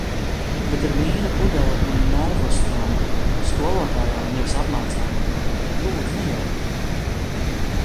Bet ar vīna pudeli un nervostrongu. Skolotājām nevis apmācāmajiem! Lūdzu nejaukt!